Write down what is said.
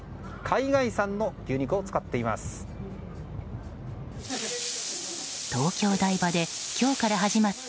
海外産の牛肉を使っています。